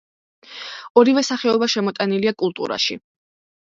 ორივე სახეობა შემოტანილია კულტურაში.